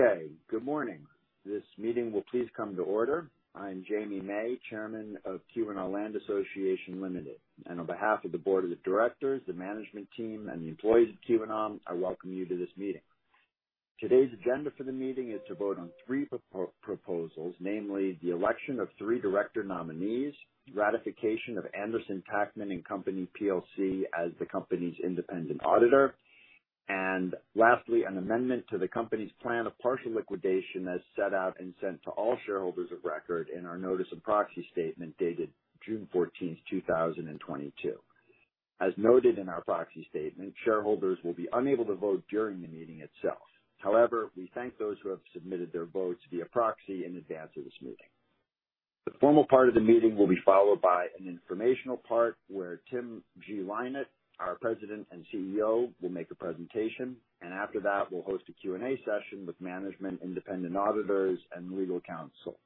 Okay, good morning. This meeting will please come to order. I'm James A. Mai, Chairman of Keweenaw Land Association, Limited, and on behalf of the board of directors, the management team, and the employees of Keweenaw, I welcome you to this meeting. Today's agenda for the meeting is to vote on three proposals, namely, the election of three director nominees; ratification of Anderson, Tackman & Company, PLC as the company's independent auditor; and lastly, an amendment to the company's plan of partial liquidation, as set out and sent to all shareholders of record in our Notice of Proxy statement dated June 14th, 2022. As noted in our proxy statement, shareholders will be unable to vote during the meeting itself. However, we thank those who have submitted their votes via proxy in advance of this meeting. The formal part of the meeting will be followed by an informational part where Tim G. Lynott, our President and CEO, will make a presentation. After that, we'll host a Q&A session with management, independent auditors, and legal counsel.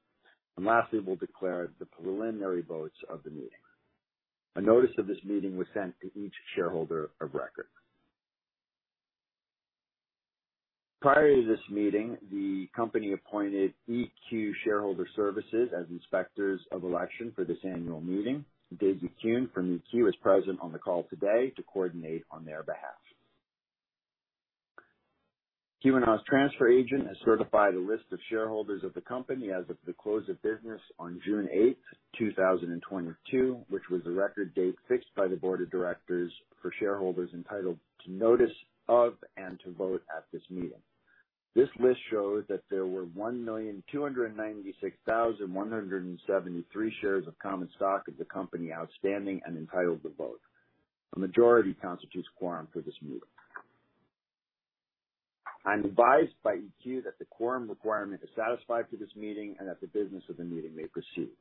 Lastly, we'll declare the preliminary votes of the meeting. A notice of this meeting was sent to each shareholder of record. Prior to this meeting, the company appointed EQ Shareowner Services as Inspectors of Election for this annual meeting. Daisy Kuhn, from EQ, is present on the call today to coordinate on their behalf. Keweenaw's transfer agent has certified a list of shareholders of the company as of the close of business on June 8, 2022, which was the record date fixed by the board of directors for shareholders entitled to notice of and to vote at this meeting. This list shows that there were 1,296,173 shares of common stock of the company outstanding and entitled to vote. A majority constitutes quorum for this meeting. I'm advised by EQ that the quorum requirement is satisfied for this meeting and that the business of the meeting may proceed.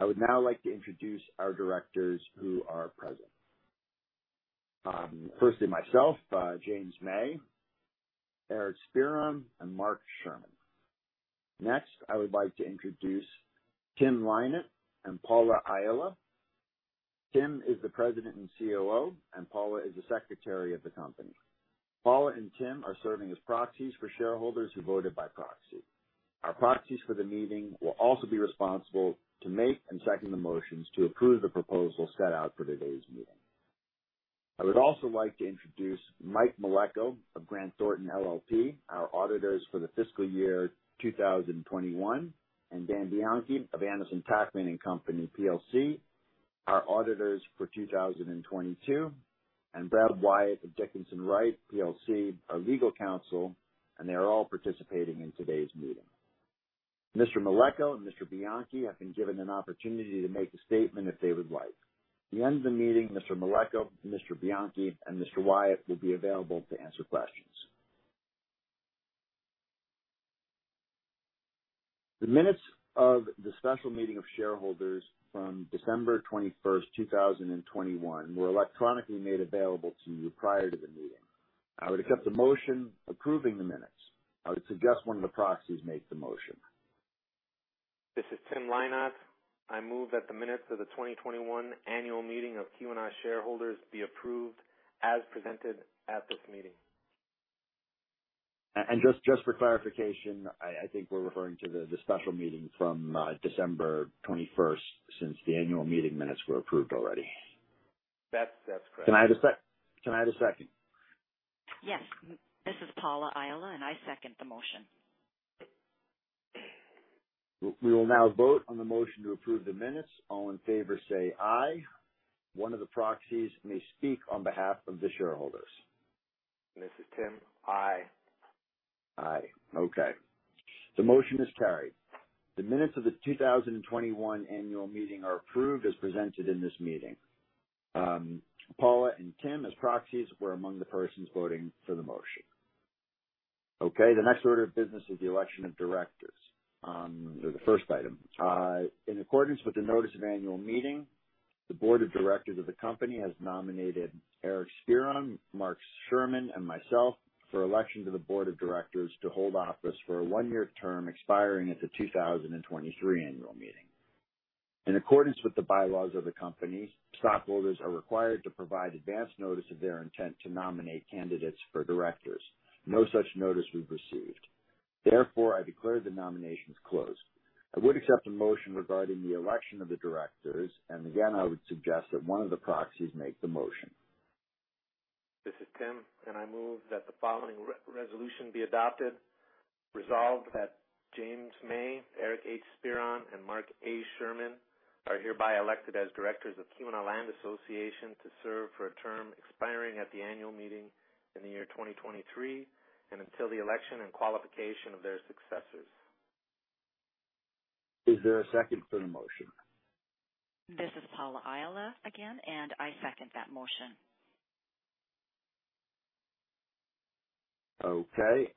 I would now like to introduce our directors who are present. Firstly, myself, James Mai, Eric Speron, and Mark Sherman. Next, I would like to introduce Tim Lynott and Paula Aijala. Tim is the President and CEO, and Paula is the Secretary of the company. Paula and Tim are serving as proxies for shareholders who voted by proxy. Our proxies for the meeting will also be responsible to make and second the motions to approve the proposal set out for today's meeting. I would also like to introduce Mike Mleko of Grant Thornton LLP, our auditors for the fiscal year 2021; and Dan Bianchi of Anderson, Tackman & Company, PLC, our auditors for 2022; and Brad Wyatt of Dickinson Wright PLLC, our legal counsel. They are all participating in today's meeting. Mr. Mleko and Mr. Bianchi have been given an opportunity to make a statement if they would like. At the end of the meeting, Mr. Mleko, Mr. Bianchi, and Mr. Wyatt will be available to answer questions. The minutes of the special meeting of shareholders from December 21, 2021, were electronically made available to you prior to the meeting. I would accept a motion approving the minutes. I would suggest one of the proxies make the motion. This is Tim Lynott. I move that the minutes of the 2021 annual meeting of Keweenaw shareholders be approved, as presented at this meeting. Just for clarification, I think we're referring to the special meeting from December 21st, since the annual meeting minutes were approved already. That's correct. Can I have a second? Yes. This is Paula Aijala, and I second the motion. We will now vote on the motion to approve the minutes. All in favor say aye. One of the proxies may speak on behalf of the shareholders. This is Tim. Aye. Aye. Okay. The motion is carried. The minutes of the 2021 annual meeting are approved, as presented in this meeting. Paula and Tim, as proxies, were among the persons voting for the motion. Okay. The next order of business is the election of directors. They're the first item. In accordance with the notice of annual meeting, the board of directors of the company has nominated Eric Speron, Mark Sherman, and myself for election to the Board of Directors to hold office for a one-year term expiring at the 2023 annual meeting. In accordance with the bylaws of the company, stockholders are required to provide advance notice of their intent to nominate candidates for directors. No such notice we've received. Therefore, I declare the nominations closed. I would accept a motion regarding the election of the directors, and again, I would suggest that one of the proxies make the motion. This is Tim, and I move that the following resolution be adopted. Resolved that James Mai, Eric H. Speron, and Mark A. Sherman are hereby elected as Directors of Keweenaw Land Association, to serve for a term expiring at the annual meeting in the year 2023 and until the election and qualification of their successors. Is there a second for the motion? This is Paula Aijala, again, and I second that motion. Okay.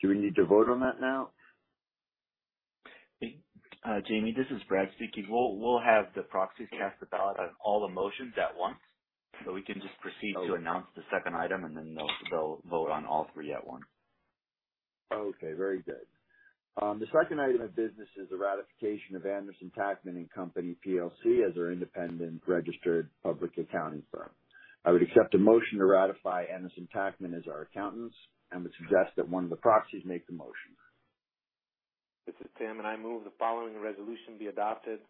Do we need to vote on that now? Jamie, this is Brad speaking. We'll have the proxies cast the ballot on all the motions at once. We can just proceed- Okay.... to announce the second item, and then they'll vote on all three at once. Okay, very good. The second item of business is the ratification of Anderson, Tackman & Company, PLC as our independent registered public accounting firm. I would accept a motion to ratify Anderson, Tackman as our accountants, and would suggest that one of the proxies make the motion. This is Tim, and I move the following resolution be adopted.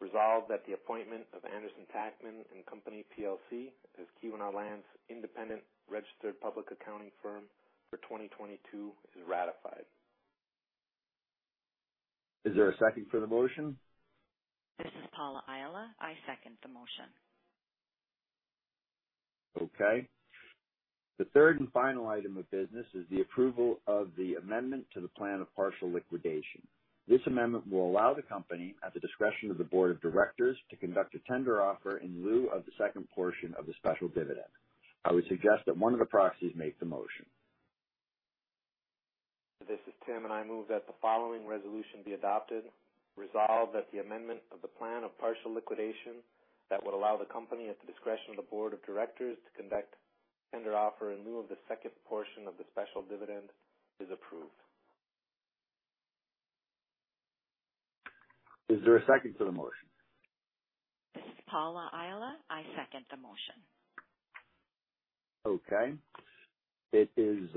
Resolved that the appointment of Anderson, Tackman & Company, PLC as Keweenaw Land's independent registered public accounting firm for 2022 is ratified. Is there a second for the motion? This is Paula Aijala. I second the motion. Okay. The third and final item of business is the approval of the amendment to the plan of partial liquidation. This amendment will allow the company, at the discretion of the board of directors, to conduct a tender offer in lieu of the second portion of the special dividend. I would suggest that one of the proxies make the motion. This is Tim. I move that the following resolution be adopted. Resolved that the amendment of the plan of partial liquidation that would allow the company, at the discretion of the board of directors, to conduct tender offer in lieu of the second portion of the special dividend is approved. Is there a second to the motion? This is Paula Aijala. I second the motion. Okay. It is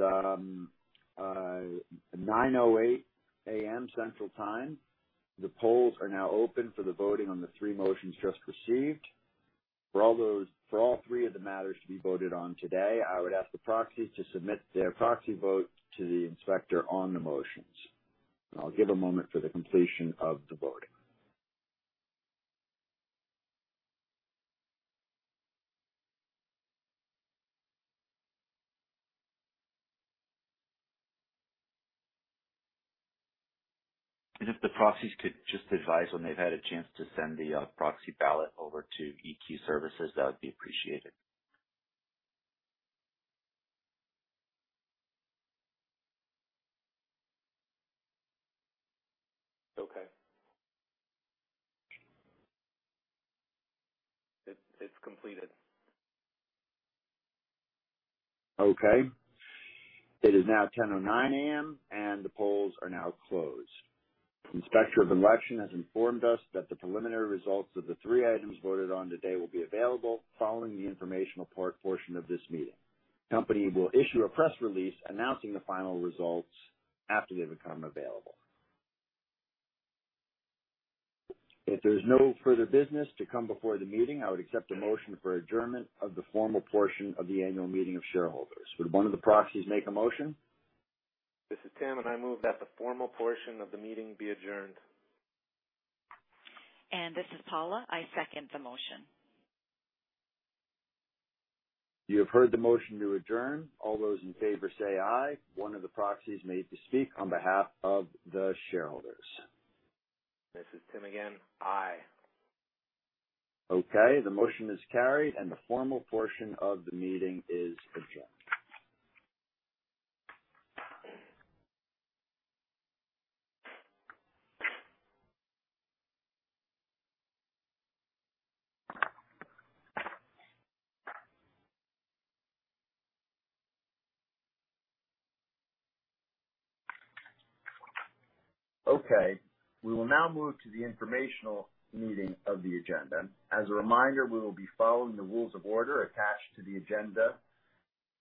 9:08 A.M. Central Time. The polls are now open for the voting on the three motions just received. For all three of the matters to be voted on today, I would ask the proxies to submit their proxy vote to the inspector on the motions. I'll give a moment for the completion of the voting. If the proxies could just advise when they've had a chance to send the proxy ballot over to EQ Shareowner Services, that would be appreciated. Okay. It's completed. Okay. It is now 10:09 A.M., and the polls are now closed. Inspector of election has informed us that the preliminary results of the three items voted on today will be available following the informational portion of this meeting. Company will issue a press release announcing the final results after they become available. If there's no further business to come before the meeting, I would accept a motion for adjournment of the formal portion of the annual meeting of shareholders. Would one of the proxies make a motion? This is Tim, and I move that the formal portion of the meeting be adjourned. This is Paula. I second the motion. You have heard the motion to adjourn. All those in favor say aye. One of the proxies need to speak on behalf of the shareholders. This is Tim again. Aye. Okay. The motion is carried, and the formal portion of the meeting is adjourned. We will now move to the informational meeting of the agenda. As a reminder, we will be following the rules of order attached to the agenda.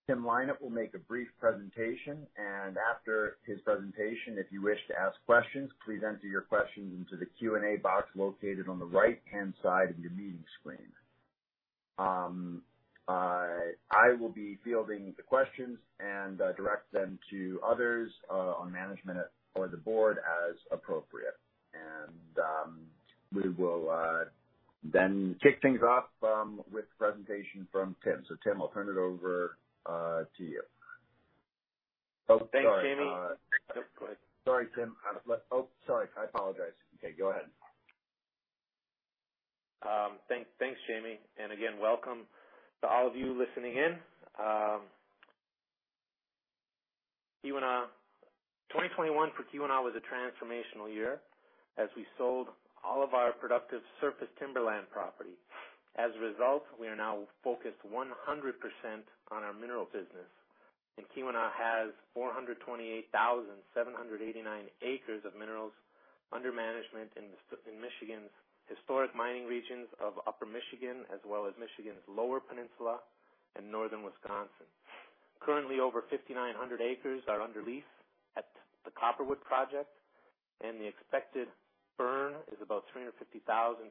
Tim Lynott will make a brief presentation, and after his presentation, if you wish to ask questions, please enter your questions into the Q&A box located on the right-hand side of your meeting screen. I will be fielding the questions, and direct them to others on management or the board, as appropriate. We will then kick things off with a presentation from Tim. Tim, I'll turn it over to you. Thanks, Jamie. Sorry, Tim. Oh, sorry, I apologize. Okay, go ahead. Thanks, Jamie. Again, welcome to all of you listening in. 2021 for Keweenaw was a transformational year as we sold all of our productive surface timberland property. As a result, we are now focused 100% on our mineral business. Keweenaw has 428,789 acres of minerals under management in Michigan's historic mining regions of Upper Michigan, as well as Michigan's Lower Peninsula and Northern Wisconsin. Currently, over 5,900 acres are under lease at the Copperwood Project, and the expected burn is about $350,000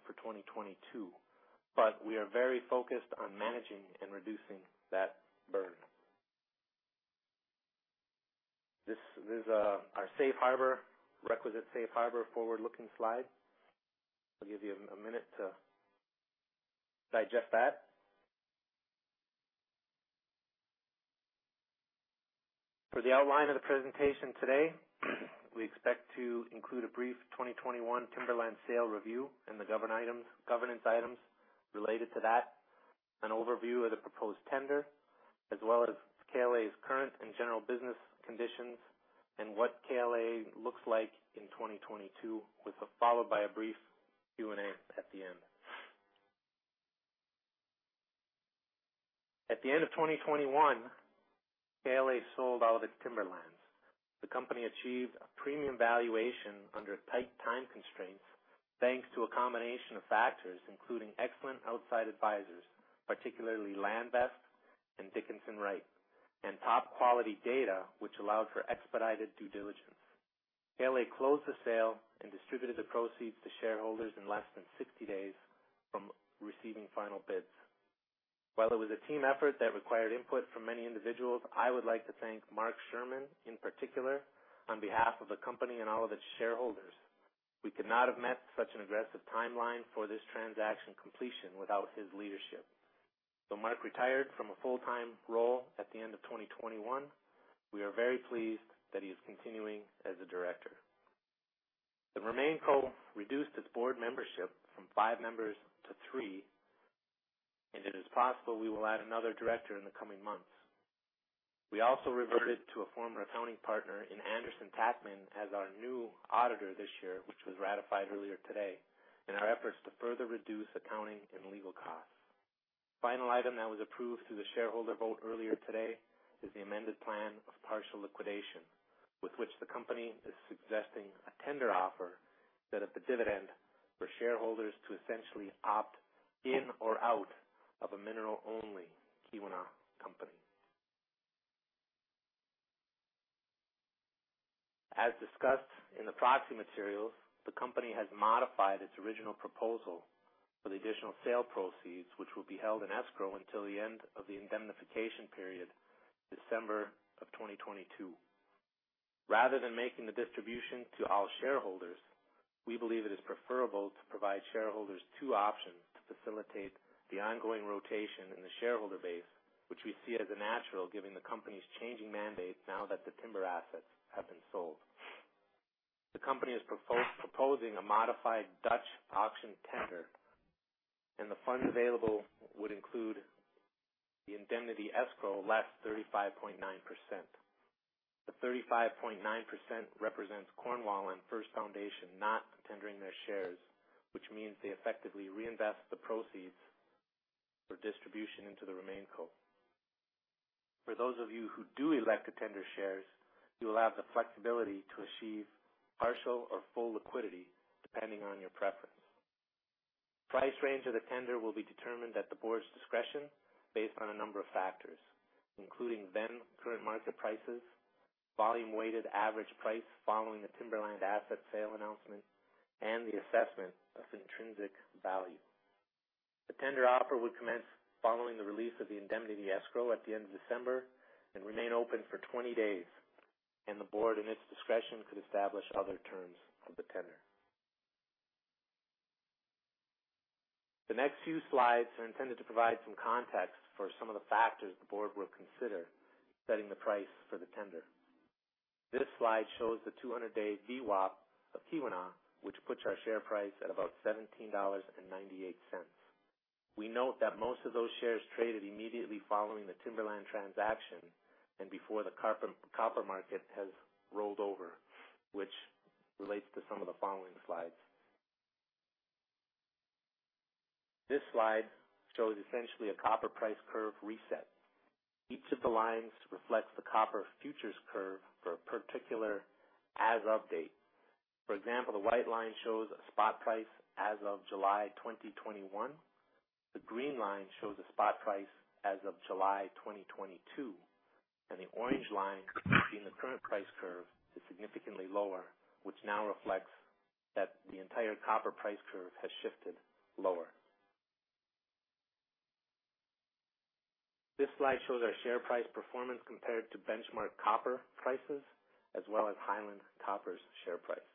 for 2022. We are very focused on managing and reducing that burn. This is our safe harbor, requisite safe harbor forward-looking slide. I'll give you a minute to digest that. For the outline of the presentation today, we expect to include a brief 2021 timberland sale review and the governance items related to that, an overview of the proposed tender, as well as KLA's current and general business conditions, and what KLA looks like in 2022, followed by a brief Q&A at the end. At the end of 2021, KLA sold all of its timberlands. The company achieved a premium valuation under tight time constraints, thanks to a combination of factors, including excellent outside advisors, particularly LandVest and Dickinson Wright, and top-quality data, which allowed for expedited due diligence. KLA closed the sale and distributed the proceeds to shareholders in less than 60 days from receiving final bids. While it was a team effort that required input from many individuals, I would like to thank Mark Sherman, in particular, on behalf of the company and all of its shareholders. We could not have met such an aggressive timeline for this transaction completion without his leadership. Though Mark retired from a full-time role at the end of 2021, we are very pleased that he is continuing as a Director. The RemainCo reduced its board membership from five members to three, and it is possible we will add another director in the coming months. We also reverted to a former accounting partner in Anderson, Tackman as our new auditor this year, which was ratified earlier today, in our efforts to further reduce accounting and legal costs. Final item that was approved through the shareholder vote earlier today is the amended plan of partial liquidation, with which the company is suggesting a tender offer set up a dividend for shareholders to essentially opt in or out of a mineral-only Keweenaw company. As discussed in the proxy materials, the company has modified its original proposal for the additional sale proceeds, which will be held in escrow until the end of the indemnification period, December of 2022. Rather than making the distribution to all shareholders, we believe it is preferable to provide shareholders two options to facilitate the ongoing rotation in the shareholder base, which we see as a natural, given the company's changing mandate now that the timber assets have been sold. The company is proposing a modified Dutch auction tender, and the funds available would include the indemnity escrow less 35.9%. The 35.9% represents Cornwall and First Foundation not tendering their shares, which means they effectively reinvest the proceeds for distribution into the RemainCo. For those of you who do elect to tender shares, you will have the flexibility to achieve partial or full liquidity, depending on your preference. Price range of the tender will be determined at the board's discretion based on a number of factors, including then-current market prices, volume-weighted average price following the timberland asset sale announcement, and the assessment of intrinsic value. The tender offer would commence following the release of the indemnity escrow at the end of December, and remain open for 20 days, and the board, in its discretion, could establish other terms of the tender. The next few slides are intended to provide some context for some of the factors the board will consider setting the price for the tender. This slide shows the 200-day VWAP of Keweenaw, which puts our share price at about $17.98. We note that most of those shares traded immediately following the timberland transaction, and before the copper market has rolled over, which relates to some of the following slides. This slide shows essentially a copper price curve reset. Each of the lines reflects the copper futures curve for a particular as of date. For example, the white line shows a spot price as of July 2021, the green line shows a spot price as of July 2022, and the orange line, the current price curve, is significantly lower, which now reflects that the entire copper price curve has shifted lower. This slide shows our share price performance compared to benchmark copper prices as well as Highland Copper Company's share price.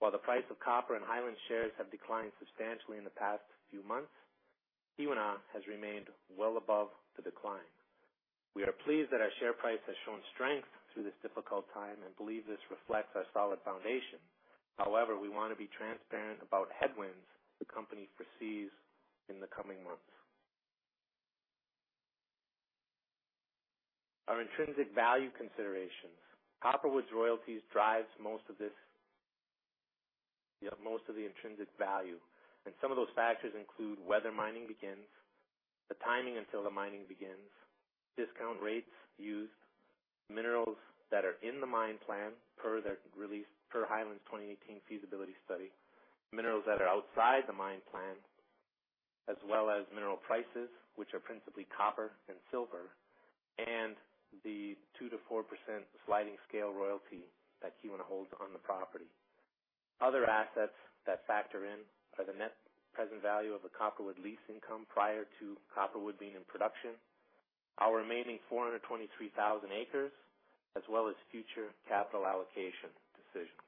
While the price of copper and Highland shares have declined substantially in the past few months, Keweenaw has remained well above the decline. We are pleased that our share price has shown strength through this difficult time and believe this reflects our solid foundation. However, we wanna be transparent about headwinds the company foresees in the coming months. Our intrinsic value considerations. Copperwood's royalties drives most of this, yeah, most of the intrinsic value, and some of those factors include whether mining begins, the timing until the mining begins, discount rates used, minerals that are in the mine plan per their release, per Highland's 2018 feasibility study, minerals that are outside the mine plan, as well as mineral prices, which are principally copper and silver, and the 2%-4% sliding scale royalty that Keweenaw holds on the property. Other assets that factor in are the net present value of a Copperwood lease income prior to Copperwood being in production, our remaining 423,000 acres, as well as future capital allocation decisions.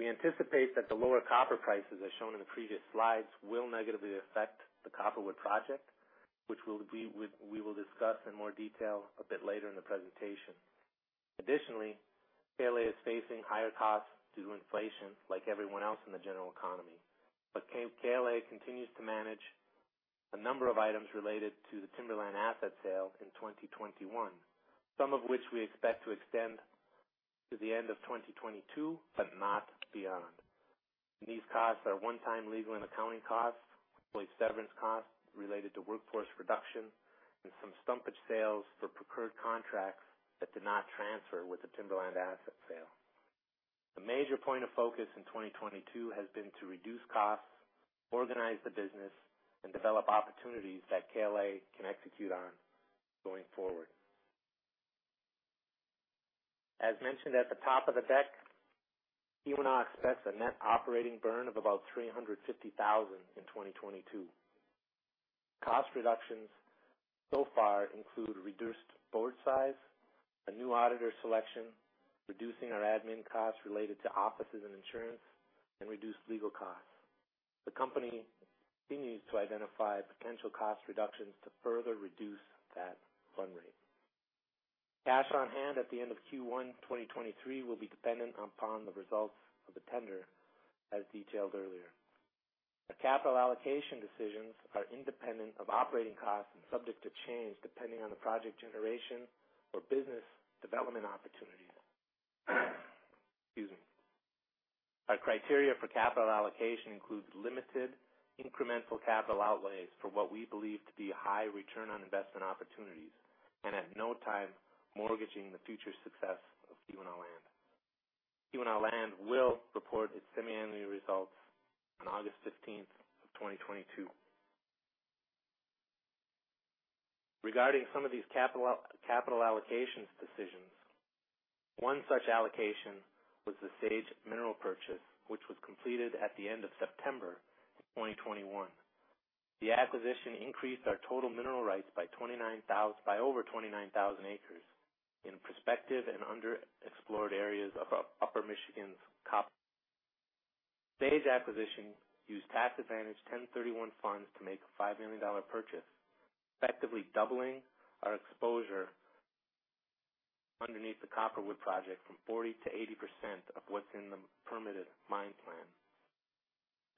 We anticipate that the lower copper prices, as shown in the previous slides, will negatively affect the Copperwood project, which we will discuss in more detail a bit later in the presentation. Additionally, KLA is facing higher costs due to inflation like everyone else in the general economy. KLA continues to manage a number of items related to the timberland asset sale in 2021, some of which we expect to extend to the end of 2022, but not beyond. These costs are one-time legal and accounting costs, employee severance costs related to workforce reduction, and some stumpage sales for procured contracts that did not transfer with the timberland asset sale. The major point of focus in 2022 has been to reduce costs, organize the business, and develop opportunities that KLA can execute on going forward. As mentioned at the top of the deck, Keweenaw expects a net operating burn of about $350,000 in 2022. Cost reductions, so far, include reduced board size, a new auditor selection, reducing our admin costs related to offices and insurance, and reduced legal costs. The company continues to identify potential cost reductions to further reduce that burn rate. Cash on hand at the end of Q1 2023 will be dependent upon the results of the tender, as detailed earlier. Our capital allocation decisions are independent of operating costs, and subject to change depending on the project generation or business development opportunities. Excuse me. Our criteria for capital allocation includes limited incremental capital outlays for what we believe to be high return on investment opportunities, and at no time mortgaging the future success of Keweenaw Land. Keweenaw Land will report its semi-annual results on August 15, 2022. Regarding some of these capital allocation decisions, one such allocation was the Sage Minerals purchase, which was completed at the end of September 2021. The acquisition increased our total mineral rights by over 29,000 acres in prospective and underexplored areas of Upper Michigan's Copper Country. Sage Minerals acquisition used tax-advantaged Section 1031 funds to make a $5 million purchase, effectively doubling our exposure underneath the Copperwood Project from 40%-80% of what's in the permitted mine plan.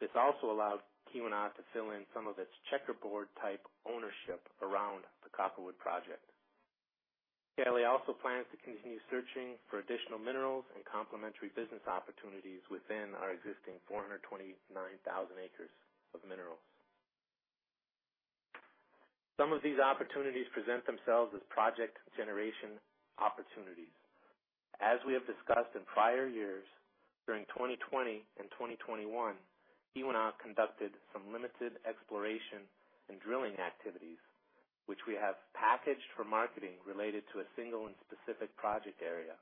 This also allowed Keweenaw to fill in some of its checkerboard-type ownership around the Copperwood project. KLA also plans to continue searching for additional minerals and complementary business opportunities within our existing 429,000 acres of minerals. Some of these opportunities present themselves as project generation opportunities. As we have discussed in prior years, during 2020 and 2021, Keweenaw conducted some limited exploration and drilling activities which we have packaged for marketing related to a single and specific project area.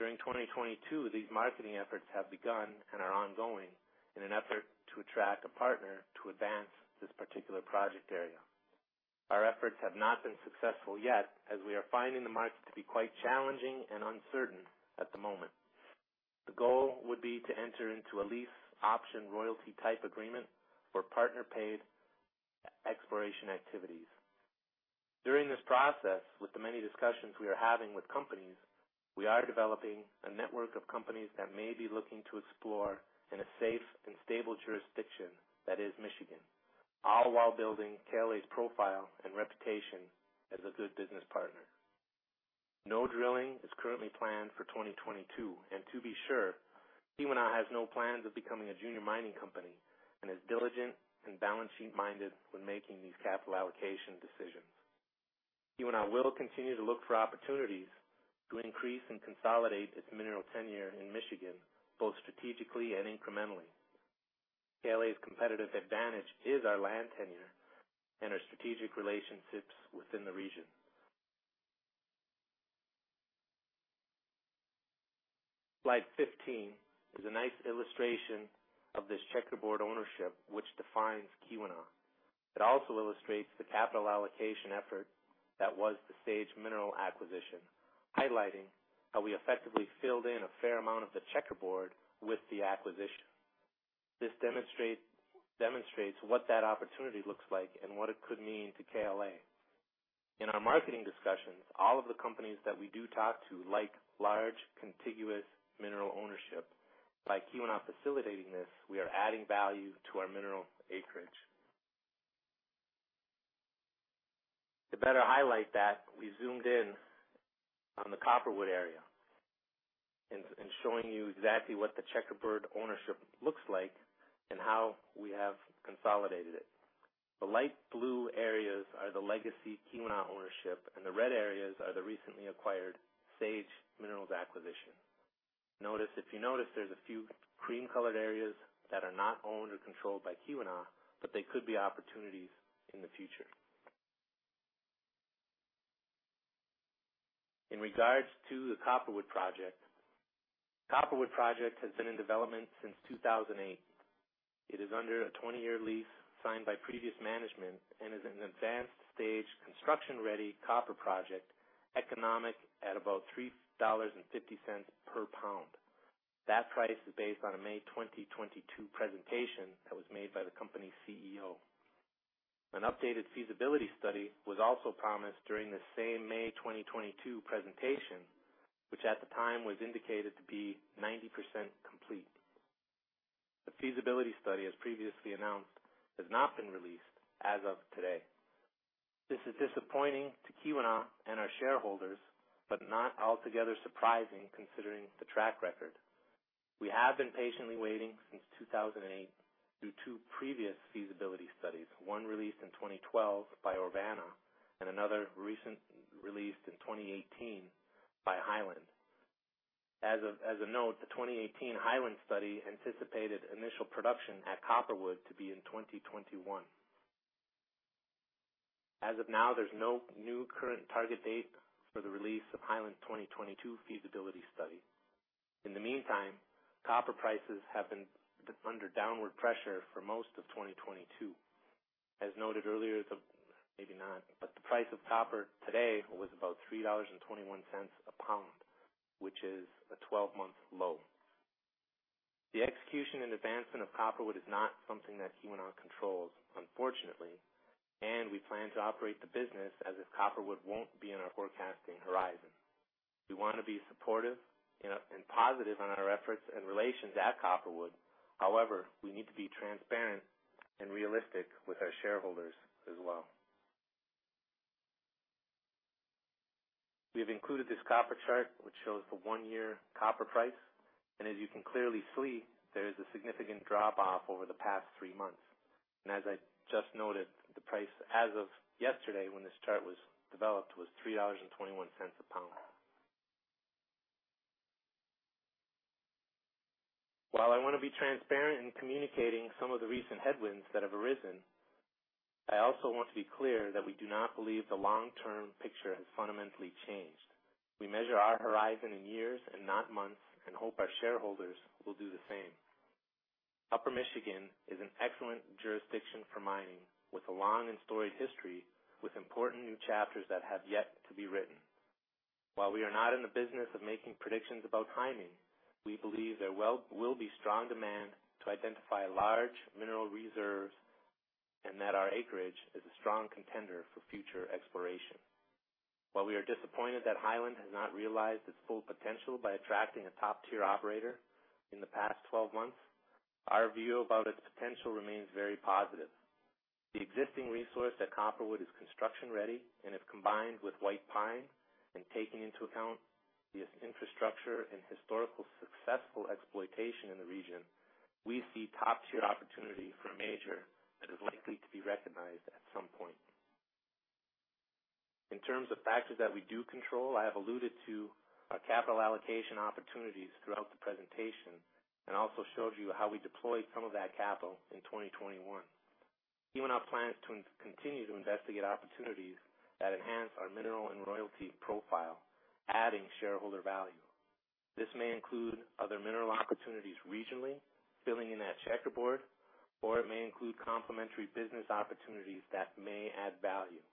During 2022, these marketing efforts have begun and are ongoing in an effort to attract a partner to advance this particular project area. Our efforts have not been successful yet, as we are finding the market to be quite challenging and uncertain at the moment. The goal would be to enter into a lease option royalty type agreement for partner-paid exploration activities. During this process, with the many discussions we are having with companies, we are developing a network of companies that may be looking to explore in a safe and stable jurisdiction that is Michigan, all while building KLA's profile and reputation as a good business partner. No drilling is currently planned for 2022. To be sure, Keweenaw has no plans of becoming a junior mining company, and is diligent and balance sheet-minded when making these capital allocation decisions. Keweenaw will continue to look for opportunities to increase and consolidate its mineral tenure in Michigan, both strategically and incrementally. KLA's competitive advantage is our land tenure and our strategic relationships within the region. Slide 15 is a nice illustration of this checkerboard ownership which defines Keweenaw. It also illustrates the capital allocation effort that was the Sage Minerals acquisition, highlighting how we effectively filled in a fair amount of the checkerboard with the acquisition. This demonstrates what that opportunity looks like and what it could mean to KLA. In our marketing discussions, all of the companies that we do talk to like large, contiguous mineral ownership. By Keweenaw facilitating this, we are adding value to our mineral acreage. To better highlight that, we zoomed in on the Copperwood area and showing you exactly what the checkerboard ownership looks like, and how we have consolidated it. The light blue areas are the legacy Keweenaw ownership, and the red areas are the recently acquired Sage Minerals acquisition. If you notice, there's a few cream-colored areas that are not owned or controlled by Keweenaw, but they could be opportunities in the future. In regards to the Copperwood project. Copperwood Project has been in development since 2008. It is under a 20-year lease signed by previous management, and is an advanced-stage, construction-ready copper project, economic at about $3.50 per pound. That price is based on a May 2022 presentation that was made by the company's CEO. An updated feasibility study was also promised during the same May 2022 presentation, which at the time was indicated to be 90% complete. The feasibility study, as previously announced, has not been released as of today. This is disappointing to Keweenaw and our shareholders, but not altogether surprising considering the track record. We have been patiently waiting since 2008 through two previous feasibility studies, one released in 2012 by Orvana and another recent, released in 2018 by Highland. As a note, the 2018 Highland study anticipated initial production at Copperwood to be in 2021. As of now, there's no new current target date for the release of Highland's 2022 feasibility study. In the meantime, copper prices have been under downward pressure for most of 2022. As noted earlier, the price of copper today was about $3.21 a pound, which is a 12-month low. The execution and advancement of Copperwood is not something that Keweenaw controls, unfortunately, and we plan to operate the business as if Copperwood won't be in our forecasting horizon. We wanna be supportive and positive on our efforts and relations at Copperwood. However, we need to be transparent and realistic with our shareholders as well. We have included this copper chart, which shows the one-year copper price, and as you can clearly see, there is a significant drop off over the past three months. As I just noted, the price as of yesterday, when this chart was developed, was $3.21 a pound. While I wanna be transparent in communicating some of the recent headwinds that have arisen, I also want to be clear that we do not believe the long-term picture has fundamentally changed. We measure our horizon in years and not months, and hope our shareholders will do the same. Upper Michigan is an excellent jurisdiction for mining, with a long and storied history, with important new chapters that have yet to be written. While we are not in the business of making predictions about timing, we believe there will be strong demand to identify large mineral reserves, and that our acreage is a strong contender for future exploration. While we are disappointed that Highland has not realized its full potential by attracting a top-tier operator in the past 12 months, our view about its potential remains very positive. The existing resource at Copperwood is construction-ready, and if combined with White Pine, and taking into account the infrastructure and historical successful exploitation in the region, we see top-tier opportunity for a major that is likely to be recognized at some point. In terms of factors that we do control, I have alluded to our capital allocation opportunities throughout the presentation, and also showed you how we deployed some of that capital in 2021. Keweenaw plans to continue to investigate opportunities that enhance our mineral and royalty profile, adding shareholder value. This may include other mineral opportunities regionally, filling in that checkerboard, or it may include complementary business opportunities that may add value.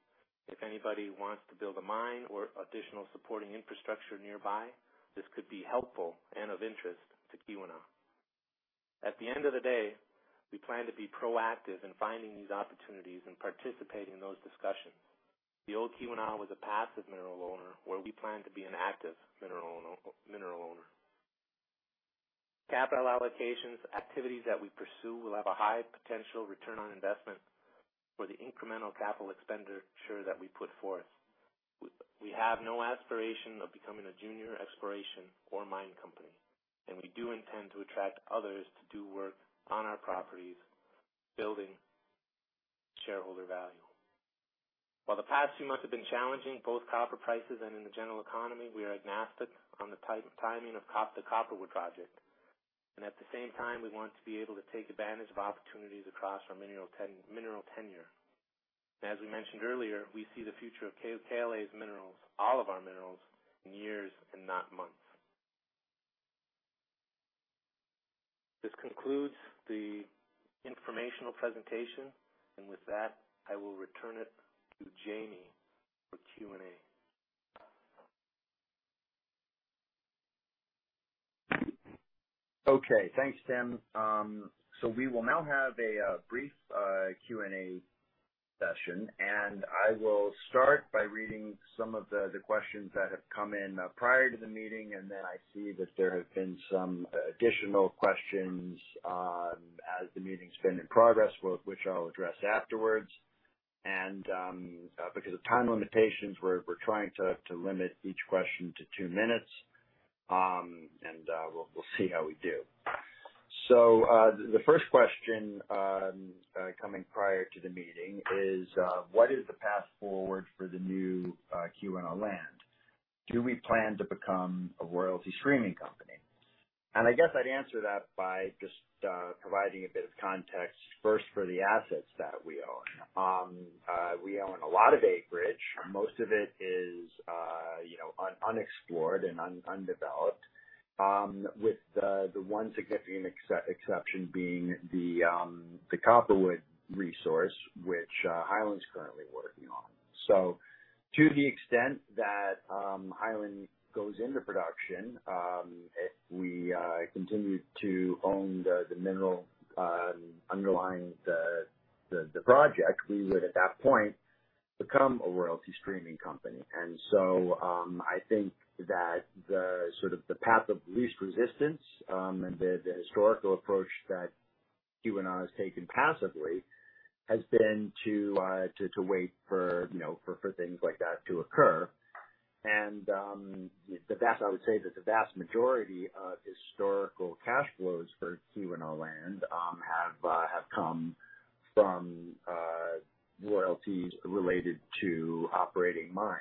If anybody wants to build a mine or additional supporting infrastructure nearby, this could be helpful and of interest to Keweenaw. At the end of the day, we plan to be proactive in finding these opportunities and participating in those discussions. The old Keweenaw was a passive mineral owner, where we plan to be an active mineral owner. Capital allocations activities that we pursue will have a high potential return on investment for the incremental capital expenditure that we put forth. We have no aspiration of becoming a junior exploration or mine company, and we do intend to attract others to do work on our properties, building shareholder value. While the past few months have been challenging, both copper prices and in the general economy, we are agnostic on the tight timing of the Copperwood project. At the same time, we want to be able to take advantage of opportunities across our mineral tenure. As we mentioned earlier, we see the future of KLA's minerals, all of our minerals, in years and not months. This concludes the informational presentation, and with that, I will return it to Jamie for Q&A. Okay. Thanks, Tim. We will now have a brief Q&A session, and I will start by reading some of the questions that have come in prior to the meeting. And then, I see that there have been some additional questions as the meeting's been in progress, which I'll address afterwards. Because of time limitations, we're trying to limit each question to two minutes, and we'll see how we do. The first question coming prior to the meeting is, what is the path forward for the new Keweenaw Land? Do we plan to become a royalty streaming company? I guess I'd answer that by just providing a bit of context first for the assets that we own. We own a lot of acreage. Most of it is, you know, unexplored and undeveloped, with the one significant exception being the Copperwood resource, which Highland's currently working on. To the extent that Highland goes into production, if we continue to own the mineral underlying the project, we would, at that point, become a royalty streaming company. I think that the sort of path of least resistance, the historical approach that Keweenaw has taken passively has been to wait for, you know, things like that to occur. I would say that the vast majority of historical cash flows for Keweenaw Land have come from royalties related to operating mines.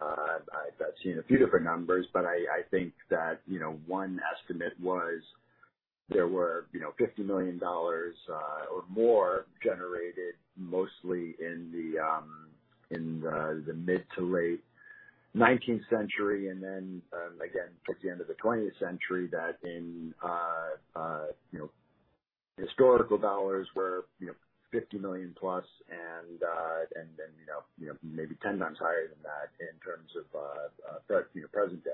I've seen a few different numbers, but I think that, you know, one estimate was there were, you know, $50 million or more generated mostly in the mid to late nineteenth century. Then, again, towards the end of the twentieth century that in, you know, historical dollars were, you know, $50+ million and, then, you know, maybe 10x higher than that in terms of present day.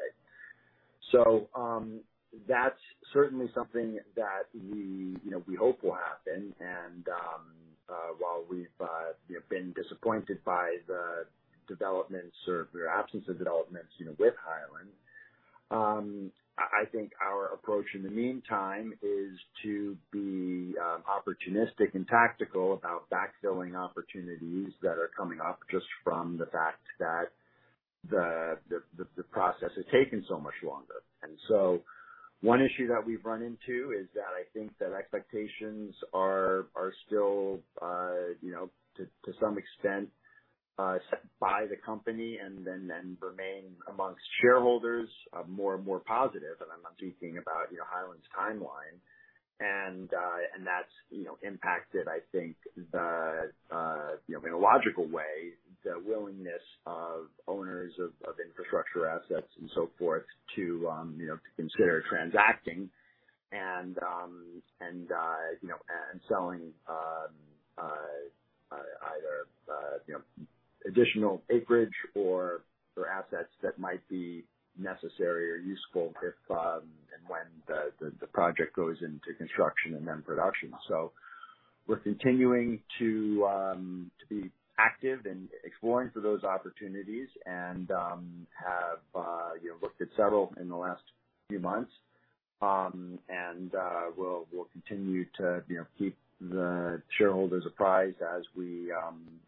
That's certainly something that we, you know, we hope will happen. While we've, you know, been disappointed by the developments or absence of developments, you know, with Highland, I think our approach in the meantime is to be opportunistic and tactical about backfilling opportunities that are coming up just from the fact that the process has taken so much longer. One issue that we've run into is that, I think, that expectations are still, you know, to some extent set by the company and then remain amongst shareholders more and more positive. I'm not speaking about, you know, Highland's timeline. That's, you know, impacted. I think, the, you know, in a logical way, the willingness of owners of infrastructure assets and so forth to, you know, to consider transacting and, you know, selling, either, you know, additional acreage or assets that might be necessary or useful if and when the project goes into construction and then production. We're continuing to be active in exploring for those opportunities and have, you know, looked at several in the last few months. We'll continue to, you know, keep the shareholders apprised as we,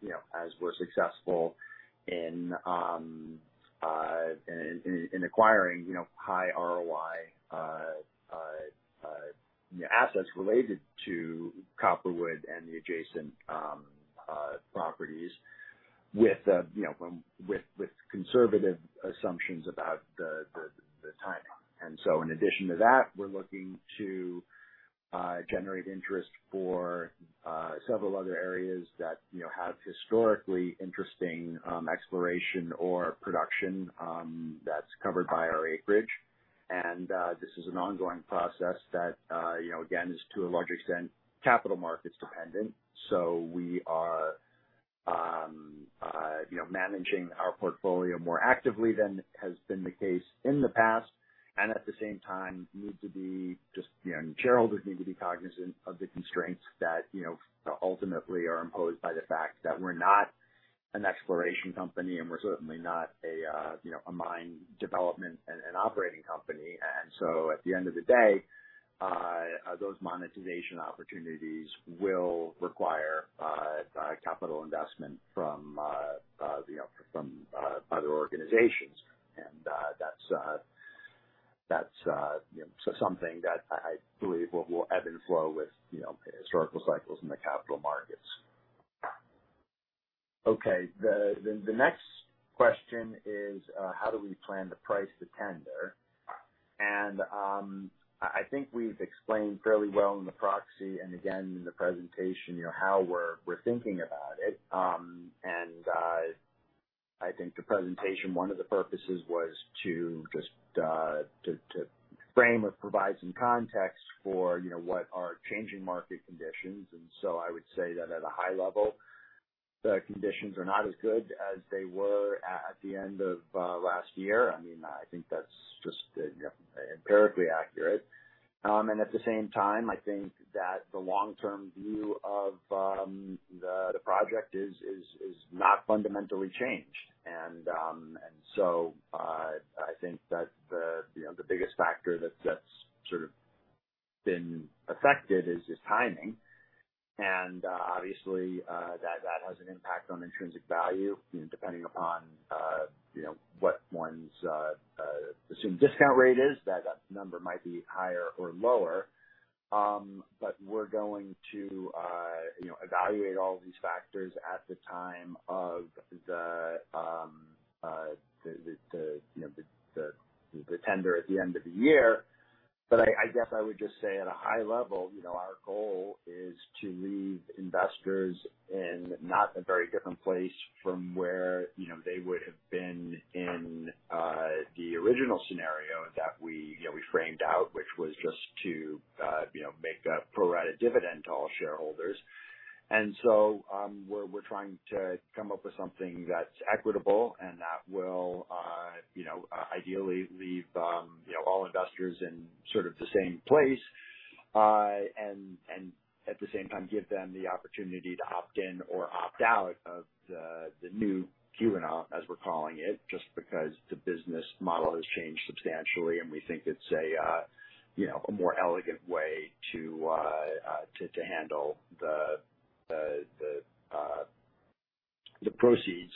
you know, as we're successful in acquiring, you know, high ROI assets related to Copperwood and the adjacent properties with, you know, with conservative assumptions about the timing. In addition to that, we're looking to generate interest for several other areas that, you know, have historically interesting exploration or production that's covered by our acreage. This is an ongoing process that, you know, again, is to a large extent capital markets dependent. We are, you know, managing our portfolio more actively than has been the case in the past, and at the same time need to be just, you know, shareholders need to be cognizant of the constraints that, you know, ultimately are imposed by the fact that we're not an exploration company, and we're certainly not a, you know, a mine development and an operating company. At the end of the day, those monetization opportunities will require capital investment from, you know, from other organizations. That's, you know--So something that I believe will ebb and flow with, you know, historical cycles in the capital markets. Okay. The next question is, how do we plan to price the tender? I think we've explained fairly well in the proxy and again, in the presentation, you know, how we're thinking about it. I think the presentation, one of the purposes was to just, to frame or provide some context for, you know, what are changing market conditions. I would say that at a high level, the conditions are not as good as they were at the end of last year. I mean, I think that's just, you know, empirically accurate. At the same time, I think that the long-term view of the project is not fundamentally changed. I think that the, you know, the biggest factor that's sort of been affected is timing. Obviously, that has an impact on intrinsic value depending upon, you know, what one's assumed discount rate is, that number might be higher or lower. We're going to, you know, evaluate all of these factors at the time of the tender at the end of the year. I guess I would just say at a high level, you know, our goal is to leave investors in not a very different place from where, you know, they would have been in the original scenario that we, you know, we framed out, which was just to, you know, make a pro rata dividend to all shareholders. We're trying to come up with something that's equitable and that will, you know, ideally leave, you know, all investors in sort of the same place. And at the same time, give them the opportunity to opt in or opt out of the new RemainCo, as we're calling it, just because the business model has changed substantially and we think it's a, you know, a more elegant way to handle the proceeds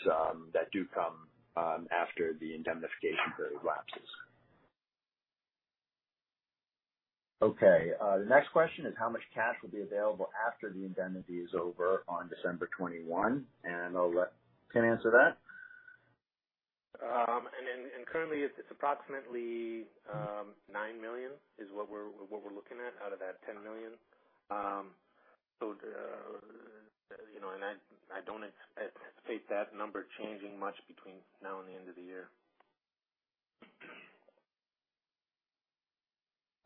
that do come after the indemnification period lapses. Okay. The next question is, how much cash will be available after the indemnity is over on December 21? I'll let Tim answer that. Currently it's approximately, $9 million is what we're looking at out of that $10 million. You know, I don't anticipate that number changing much between now and the end of the year.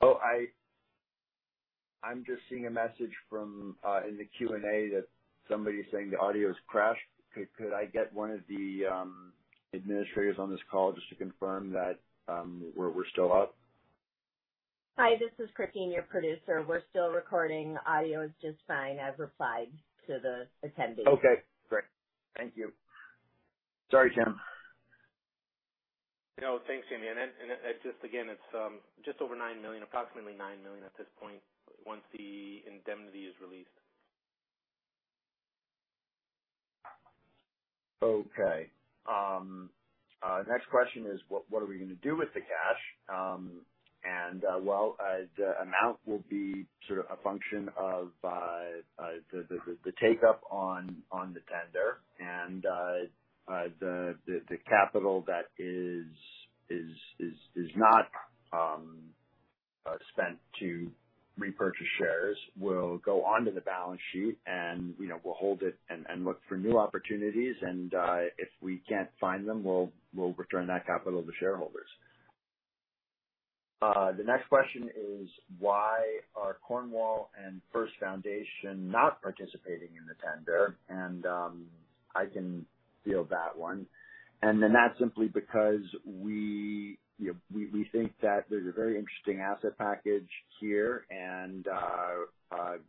Oh, I'm just seeing a message from, in the Q&A, that somebody's saying the audio's crashed. Could I get one of the administrators on this call just to confirm that we're still up? Hi, this is Christine, your producer. We're still recording. Audio is just fine. I've replied to the attendees. Okay, great. Thank you. Sorry, Tim. No, thanks, Jamie. Just again, it's just over $9 million, approximately $9 million at this point, once the indemnity is released. Okay. Next question is, what are we gonna do with the cash? Well, the amount will be sort of a function of the take-up on the tender and the capital that is not spent to repurchase shares will go onto the balance sheet, and, you know, we'll hold it and look for new opportunities. If we can't find them, we'll return that capital to shareholders. The next question is, why are Cornwall and First Foundation not participating in the tender? I can field that one. That's simply because we, you know, we think that there's a very interesting asset package here, and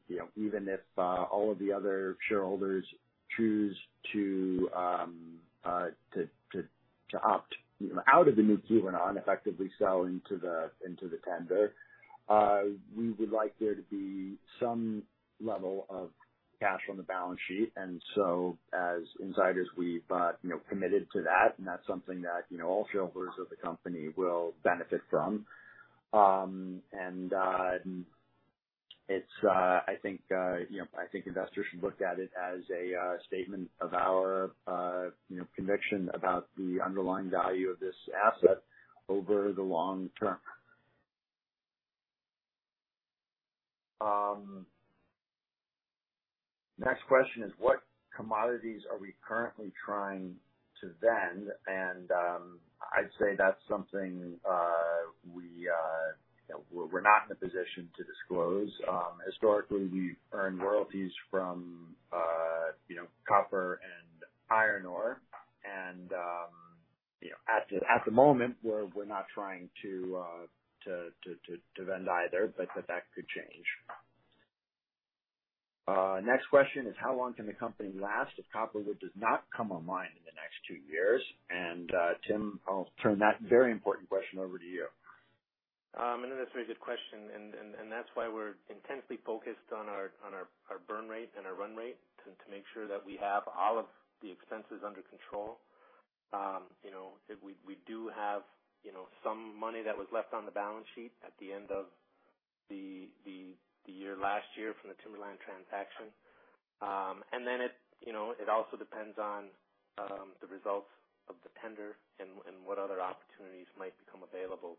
you know, even if all of the other shareholders choose to opt, you know, out of the new common, effectively sell into the tender, we would like there to be some level of cash on the balance sheet. As insiders, we've, you know, committed to that, and that's something that, you know, all shareholders of the company will benefit from. It's I think, you know, I think investors should look at it as a statement of our, you know, conviction about the underlying value of this asset over the long term. Next question is, what commodities are we currently trying to mine? I'd say that's something we, you know, we're not in a position to disclose. Historically, we've earned royalties from, you know, copper and iron ore and, you know, at the moment, we're not trying to end either, but that could change. Next question is, how long can the company last if Copperwood does not come online in the next two years? Tim, I'll turn that very important question over to you. That's a very good question. That's why we're intensely focused on our burn rate and our run rate to make sure that we have all of the expenses under control. You know, we do have some money that was left on the balance sheet at the end of the year last year from the timberland transaction. It, you know, also depends on the results of the tender and what other opportunities might become available.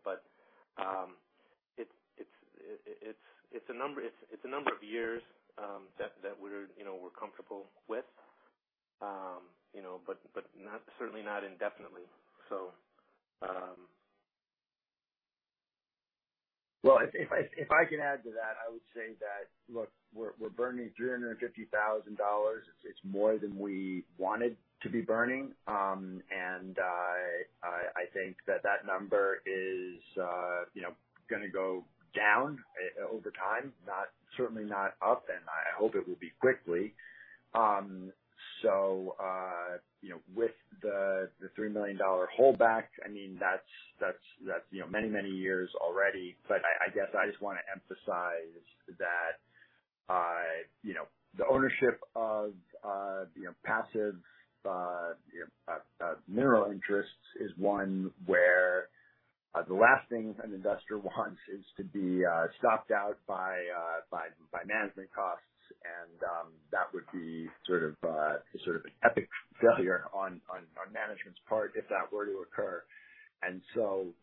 It's a number of years that we're comfortable with, you know, but certainly not indefinitely. Well, if I can add to that, I would say that, look, we're burning $350,000. It's more than we wanted to be burning. I think that that number is, you know, gonna go down over time, not, certainly not up, and I hope it will be quickly. So, you know, with the $3 million holdback, I mean, that's, you know, many years already. I guess I just wanna emphasize that, you know, the ownership of, you know, passive mineral interests is one where the last thing an investor wants is to be sucked out by management costs. That would be sort of an epic failure on management's part if that were to occur.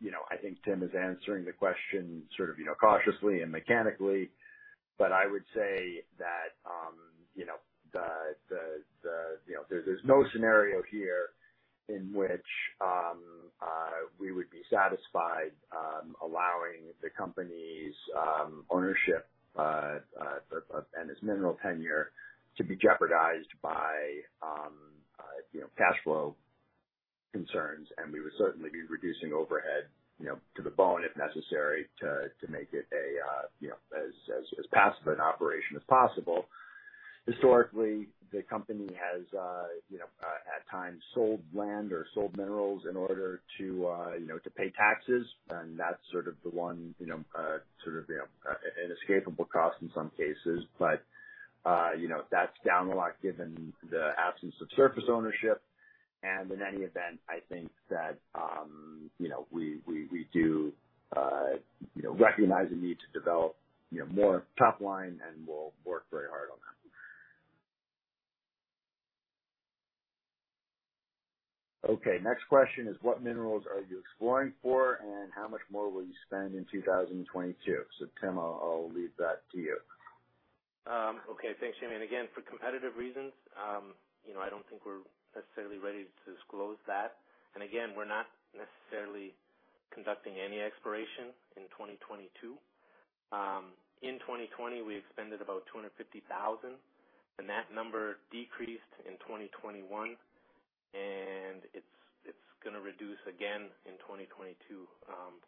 You know, I think Tim is answering the question sort of, you know, cautiously and mechanically, but I would say that, you know, the, you know, there's no scenario here in which we would be satisfied allowing the company's ownership and its mineral tenure to be jeopardized by, you know, cash flow concerns, and we would certainly be reducing overhead, you know, to the bone if necessary to make it a, you know, as passive an operation as possible. Historically, the company has, you know, at times sold land or sold minerals in order to, you know, to pay taxes, and that's sort of the one, you know, sort of, you know, inescapable cost in some cases. You know, that's down a lot given the absence of surface ownership. In any event, I think that, you know, we do, you know, recognize a need to develop, you know, more top line, and we'll work very hard on that. Okay. Next question is, what minerals are you exploring for, and how much more will you spend in 2022? Tim, I'll leave that to you. Okay. Thanks, Jamie. Again, for competitive reasons, you know, I don't think we're necessarily ready to disclose that. Again, we're not necessarily conducting any exploration in 2022. In 2020 we expended about $250,000, and that number decreased in 2021. It's gonna reduce again in 2022,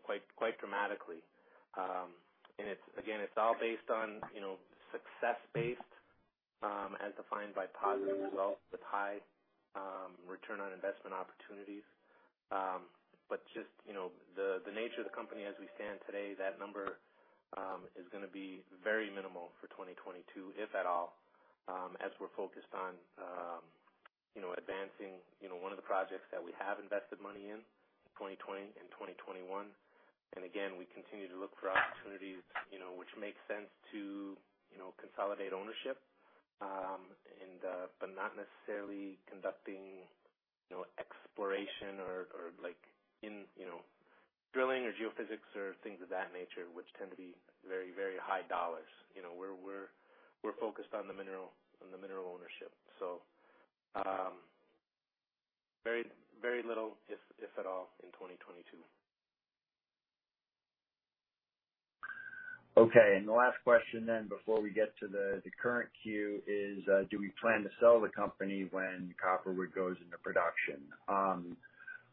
quite dramatically. It's all based on, you know, success based, as defined by positive results with high return on investment opportunities. But just, you know, the nature of the company as we stand today, that number is gonna be very minimal for 2022, if at all, as we're focused on, you know, advancing one of the projects that we have invested money in 2020 and 2021. Again, we continue to look for opportunities, you know, which make sense to, you know, consolidate ownership, and but not necessarily conducting, you know, exploration or like in, you know, drilling or geophysics or things of that nature, which tend to be very high dollars. You know, we're focused on the mineral ownership. Very little, if at all, in 2022. Okay. The last question then before we get to the current queue is, do we plan to sell the company when Copperwood goes into production?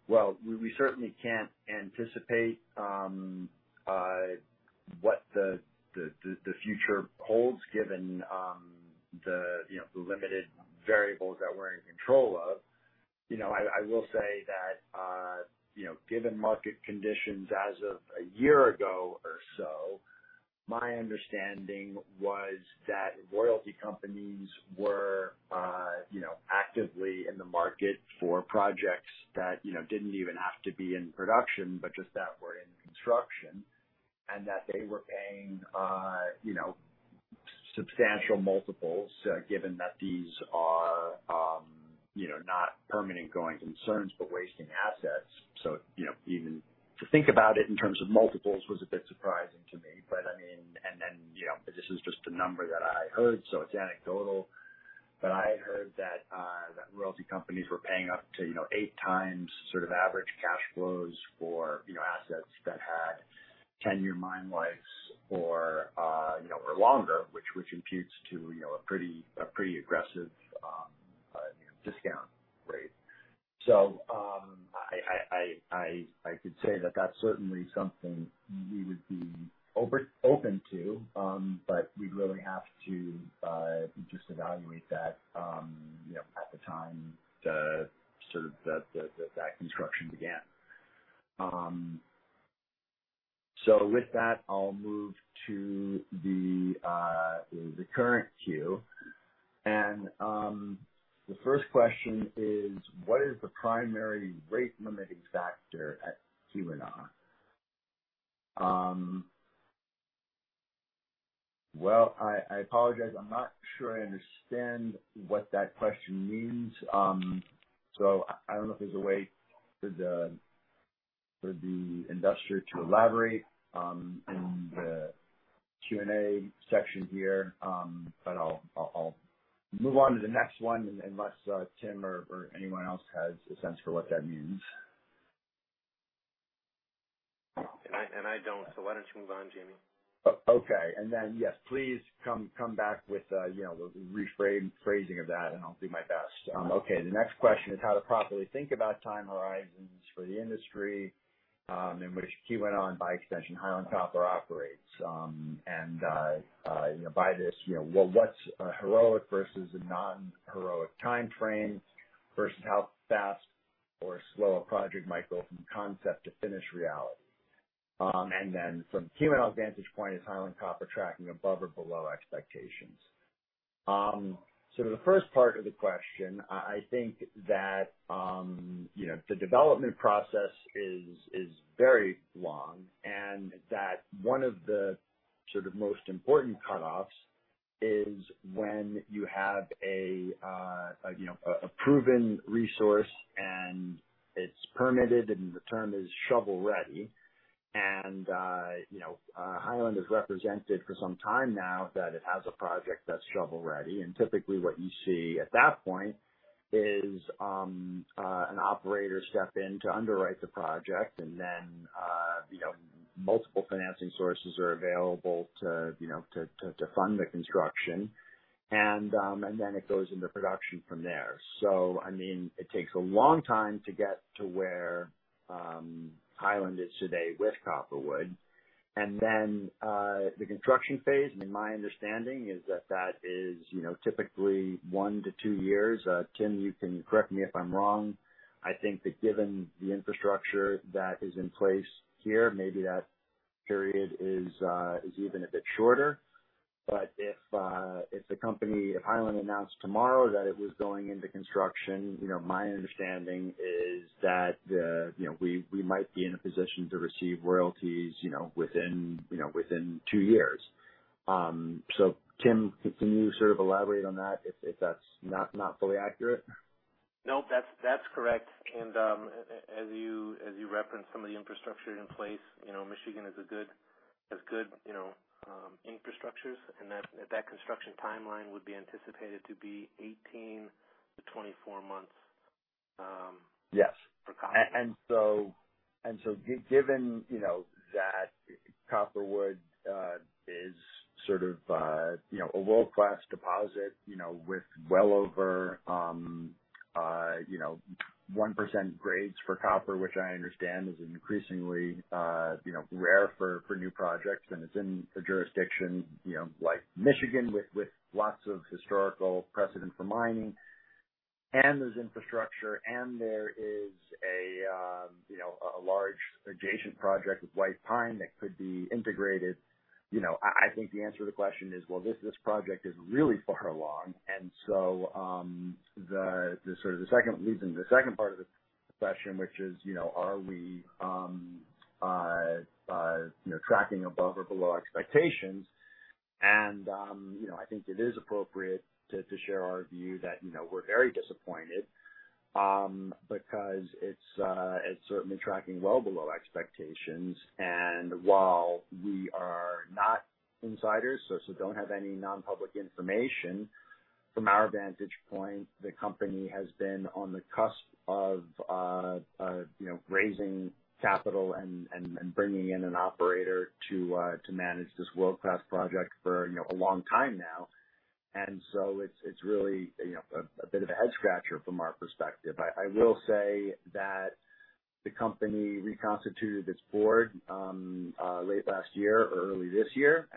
Well, we certainly can't anticipate what the future holds given the, you know, the limited variables that we're in control of. You know, I will say that, you know, given market conditions as of a year ago or so, my understanding was that royalty companies were, you know, actively in the market for projects that, you know, didn't even have to be in production, but just that were in construction, and that they were paying, you know, substantial multiples, given that these are, you know, not permanent going concerns, but wasting assets. You know, even to think about it in terms of multiples was a bit surprising to me. I mean, then, you know, this is just a number that I heard, so it's anecdotal, but I had heard that royalty companies were paying up to, you know, 8x sort of average cash flows for, you know, assets that had 10-year mine lives or, you know, or longer, which imputes to, you know, a pretty aggressive discount rate. I could say that that's certainly something we would be open to, but we'd really have to just evaluate that, you know, at the time that construction began. With that, I'll move to the current que. The first question is, what is the primary rate limiting factor at Keweenaw? Well, I apologize. I'm not sure I understand what that question means. So I don't know if there's a way for the industry to elaborate in the Q&A section here. But I'll move on to the next one, unless Tim or anyone else has a sense for what that means. Why don't you move on, Jimmy? Okay. Yes, please come back with, you know, rephrasing of that, and I'll do my best. The next question is how to properly think about time horizons for the industry in which Keweenaw, and by extension, Highland Copper operates. You know, by this, you know, well, what's a heroic versus a non-heroic timeframe versus how fast or slow a project might go from concept to finished reality? From Keweenaw's vantage point, is Highland Copper tracking above or below expectations? The first part of the question, I think that, you know, the development process is very long, and that one of the sort of most important cutoffs is when you have a proven resource and it's permitted, and the term is shovel-ready. You know, Highland has represented for some time now that it has a project that's shovel-ready. Typically, what you see at that point is an operator step in to underwrite the project and then, you know, multiple financing sources are available to, you know, to fund the construction. Then it goes into production from there. I mean, it takes a long time to get to where Highland is today with Copperwood. Then the construction phase, in my understanding, is that is you know, typically one to two years. Tim, you can correct me if I'm wrong. I think that given the infrastructure that is in place here, maybe that period is even a bit shorter. If Highland announced tomorrow that it was going into construction, you know, my understanding is that, you know, we might be in a position to receive royalties, you know, within, you know, within two years. Tim, can you sort of elaborate on that if that's not fully accurate? No, that's correct. As you referenced some of the infrastructure in place, you know, Michigan has good infrastructures and that construction timeline would be anticipated to be 18-24 months- Yes.... for Copperwood. Given, you know, that Copperwood is sort of, you know, a world-class deposit, you know, with well over 1% grades for copper, which I understand is increasingly, you know, rare for new projects, and it's in a jurisdiction, you know, like Michigan with lots of historical precedent for mining. There's infrastructure and there is a large adjacent project with White Pine that could be integrated. You know, I think the answer to the question is, well, this project is really far along. The sort of the second leads into the second part of the question, which is, you know, are we tracking above or below expectations? I think it is appropriate to share our view that, you know, we're very disappointed because it's certainly tracking well below expectations. While we are not insiders, so don't have any non-public information, from our vantage point, the company has been on the cusp of, you know, raising capital and bringing in an operator to manage this world-class project for, you know, a long time now. It's really, you know, a bit of a head scratcher from our perspective. I will say that the company reconstituted its board late last year or early this year.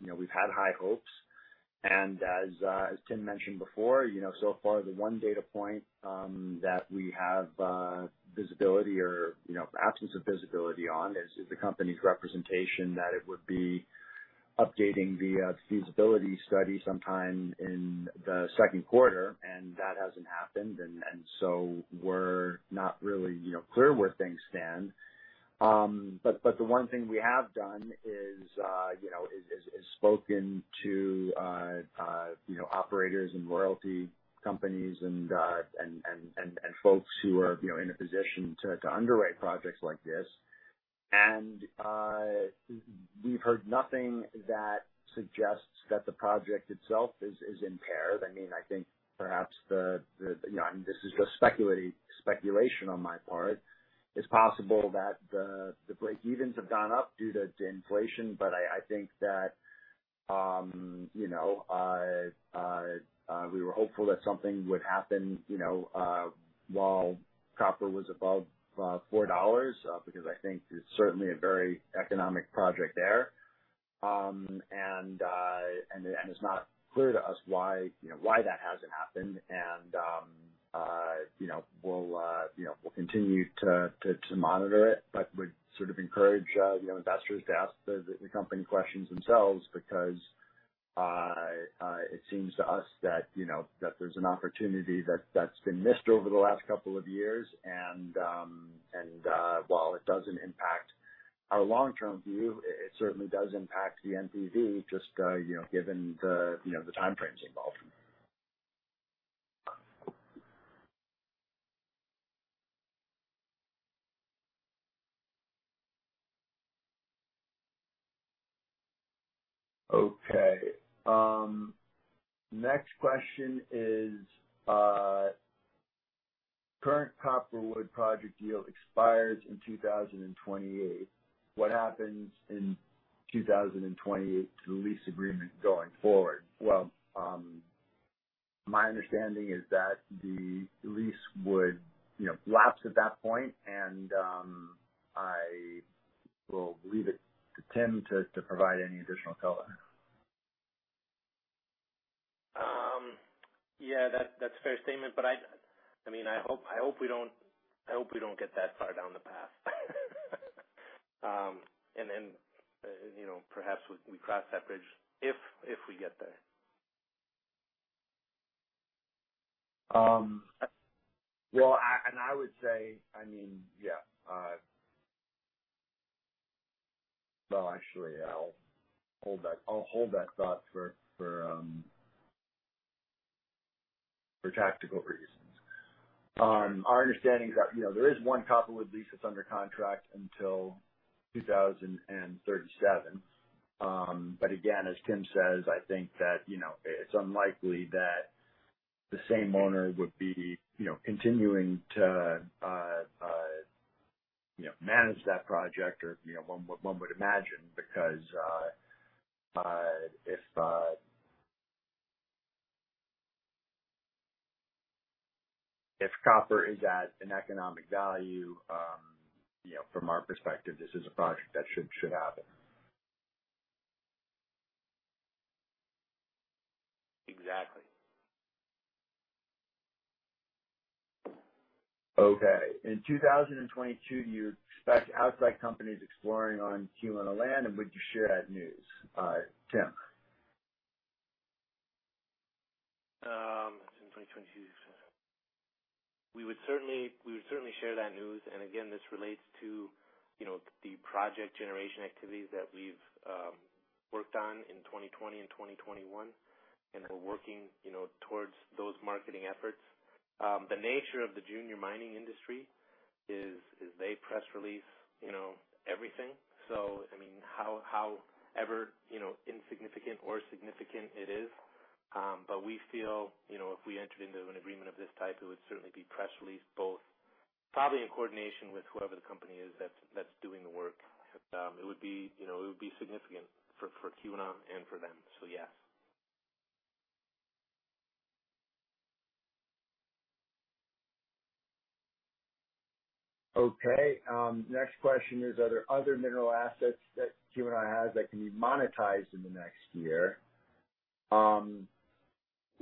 You know, we've had high hopes. As Tim mentioned before, you know, so far the one data point that we have visibility or, you know, absence of visibility on is the company's representation that it would be updating the feasibility study sometime in the second quarter, and that hasn't happened. We're not really, you know, clear where things stand. The one thing we have done is, you know, spoken to, you know, operators and royalty companies and folks who are, you know, in a position to underwrite projects like this. We've heard nothing that suggests that the project itself is impaired. I mean, I think perhaps the--you know, and this is just speculation on my part. It's possible that the breakevens have gone up due to inflation. I think that, you know, we were hopeful that something would happen, you know, while copper was above $4 because I think there's certainly a very economic project there. It's not clear to us why, you know, that hasn't happened. You know, we'll continue to monitor it but would sort of encourage, you know, investors to ask the company questions themselves because I--It seems to us that, you know, that there's an opportunity that's been missed over the last couple of years and while it doesn't impact our long-term view, it certainly does impact the NPV just, you know, given the timeframes involved. Okay. Next question is, current Copperwood project deal expires in 2028. What happens in 2028 to the lease agreement going forward? Well, my understanding is that the lease would, you know, lapse at that point and I will leave it to Tim to provide any additional color. Yeah, that's a fair statement. I mean, I hope we don't get that far down the path. You know, perhaps we cross that bridge if we get there. Well, actually, I'll hold that thought for tactical reasons. Our understanding is that, you know, there is one Copperwood lease that's under contract until 2037. But again, as Tim says, I think that, you know, it's unlikely that the same owner would be, you know, continuing to manage that project or, you know, one would imagine because if copper is at an economic value, you know, from our perspective, this is a project that should happen. Exactly. Okay. In 2022, you expect outside companies exploring on KLA land, and would you share that news? Tim. In 2022, we would certainly share that news. Again, this relates to, you know, the project generation activities that we've worked on in 2020 and 2021, and we're working, you know, towards those marketing efforts. The nature of the junior mining industry is they press release, you know, everything. I mean, however, you know, insignificant or significant it is. We feel, you know, if we entered into an agreement of this type, it would certainly be press released, both probably in coordination with whoever the company is that's doing the work. It would be, you know, significant for Q1 and for them, so, yes. Okay. Next question is, are there other mineral assets that KLA has that can be monetized in the next year?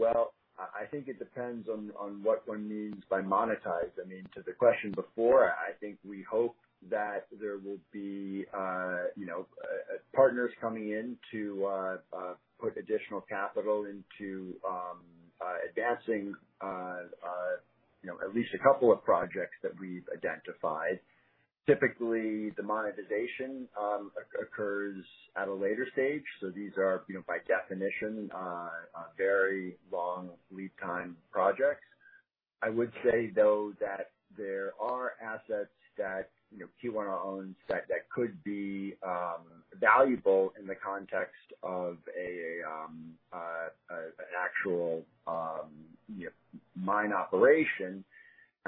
Well, I think it depends on what one means by monetized. I mean, to the question before, I think we hope that there will be, you know, partners coming in to put additional capital into advancing, you know, at least a couple of projects that we've identified. Typically, the monetization occurs at a later stage. These are, you know, by definition, very long lead time projects. I would say though that there are assets that, you know, KLA owns that could be valuable in the context of an actual, you know, mine operation.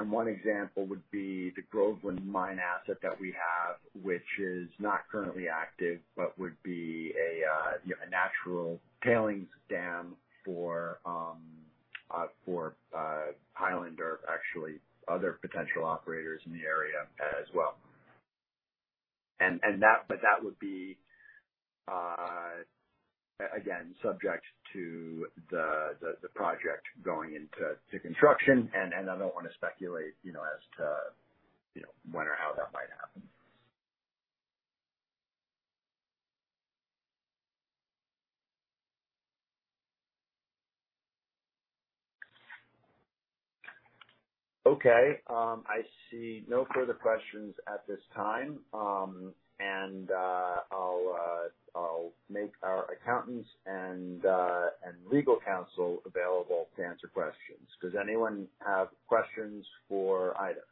One example would be the Gogebic Mine asset that we have, which is not currently active, but would be a natural tailings dam for Highland or actually other potential operators in the area as well. That would be again subject to the project going into construction. I don't wanna speculate, you know, as to, you know, when or how that might happen. Okay. I see no further questions at this time. I'll make our accountants and legal counsel available to answer questions. Does anyone have questions for either?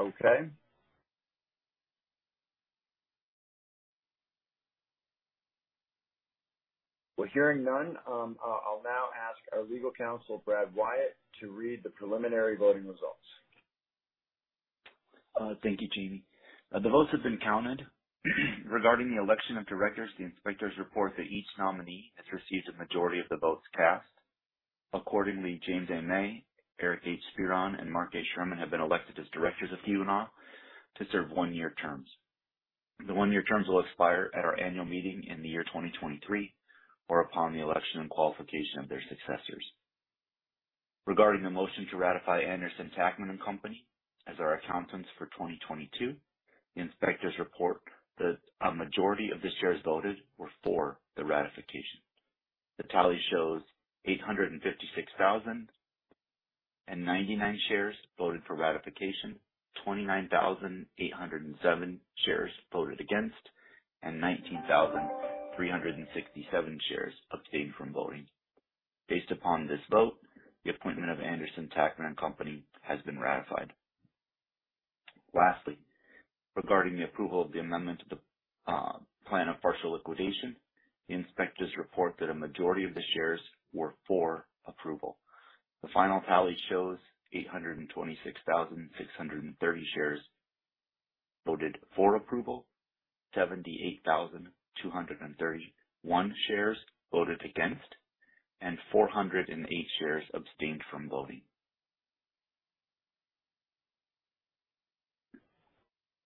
Okay. Well, hearing none, I'll now ask our legal counsel, Brad Wyatt, to read the preliminary voting results. Thank you, Jamie. The votes have been counted. Regarding the election of directors, the inspectors report that each nominee has received a majority of the votes cast. Accordingly, James A. Mai, Eric H. Speron, and Mark A. Sherman have been elected as Directors of Keweenaw to serve one-year terms. The one-year terms will expire at our annual meeting in the year 2023, or upon the election and qualification of their successors. Regarding the motion to ratify Anderson, Tackman & Company as our accountants for 2022, the inspectors report that a majority of the shares voted were for the ratification. The tally shows 856,099 shares voted for ratification, 29,807 shares voted against, and 19,367 shares abstained from voting. Based upon this vote, the appointment of Anderson, Tackman & Company has been ratified. Lastly, regarding the approval of the amendment to the plan of partial liquidation, the inspectors report that a majority of the shares were for approval. The final tally shows 826,630 shares voted for approval, 78,231 shares voted against, and 408 shares abstained from voting.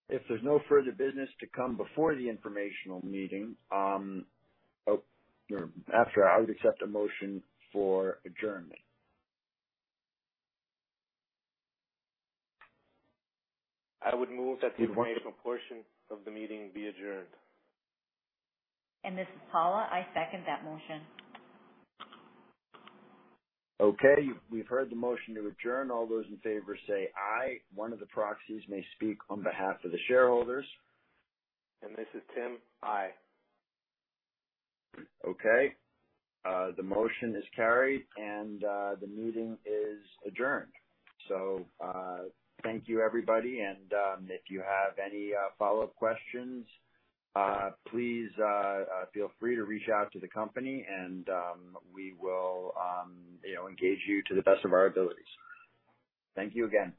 If there's no further business to come before the informational meeting, or after, I would accept a motion for adjournment. I would move that the informational portion of the meeting be adjourned. This is Paula. I second that motion. Okay. We've heard the motion to adjourn. All those in favor say aye. One of the proxies may speak on behalf of the shareholders. This is Tim. Aye. Okay. The motion is carried, and the meeting is adjourned. Thank you, everybody, and if you have any follow-up questions, please feel free to reach out to the company, and we will, you know, engage you to the best of our abilities. Thank you again.